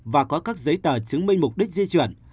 và có các giấy tờ chứng minh mục đích di chuyển